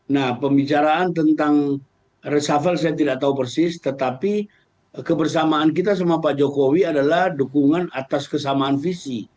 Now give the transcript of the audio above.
nah pembicaraan tentang reshuffle saya tidak tahu persis tetapi kebersamaan kita sama pak jokowi adalah dukungan atas kesamaan visi